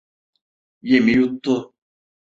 Yemi yuttu.